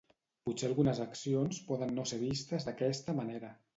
Potser algunes accions poden no ser vistes d’aquesta manera.